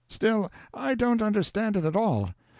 Still, I don't understand it at all.